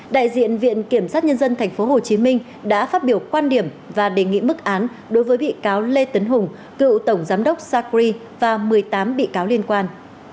đại diện viện kiểm sát nhân dân tp hcm đã phát biểu quan điểm và đề nghị mức án đối với bị cáo lê tấn hùng cựu tổng giám đốc sacri và một mươi tám bị cáo liên quan